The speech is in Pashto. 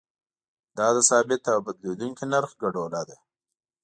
دا د ثابت او بدلیدونکي نرخ ګډوله ده.